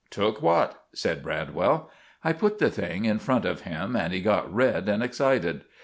"Took what?" said Bradwell. I put the thing in front of him, and he got red and excited.